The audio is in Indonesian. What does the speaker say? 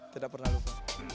tidak pernah lupa